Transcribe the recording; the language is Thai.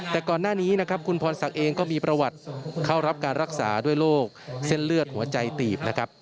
แต่ก่อนหน้านี้นะครับคุณพรศักดิ์เองก็มีประวัติเข้ารับการรักษาด้วยโรคเส้นเลือดหัวใจตีบนะครับ